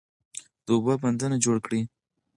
د اوبو بندونه جوړ کړئ.